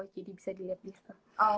jadi bisa dilihat di situ